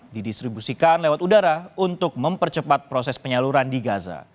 didistribusikan lewat udara untuk mempercepat proses penyaluran di gaza